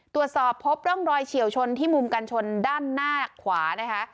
ตรวจสอบพบร่องรอยเฉียวชนที่มุมกันชนด้านหน้าขวานะคะ